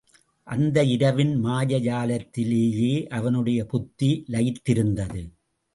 அந்த இரவின் மாயாஜாலத்திலேயே அவனுடைய புத்தி லயித்திருந்தது.